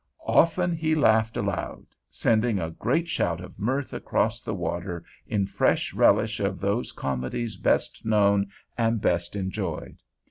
Often he laughed aloud, sending a great shout of mirth across the water in fresh relish of those comedies best known and best enjoyed.